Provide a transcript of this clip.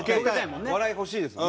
笑い欲しいですもんね